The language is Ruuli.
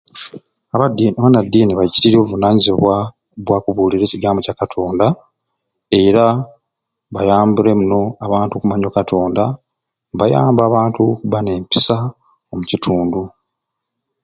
Abadi abanadini baicirirye obuvunanyizibwa bwa kubulira ekigambo kya Katonda era bayambire muno abantu okumanya o Katonda, mbayamba abantu okubba n'empisa omukitundu.